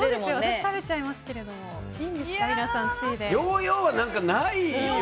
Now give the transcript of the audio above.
私食べちゃいますけどいいんですか？